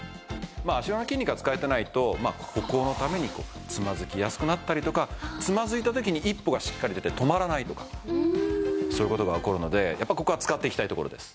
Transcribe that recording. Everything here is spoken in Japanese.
足裏の筋肉が使えてないと歩行の度につまずきやすくなったりとかつまずいた時に一歩がしっかり出て止まらないとかそういう事が起こるのでやっぱここは使っていきたいところです。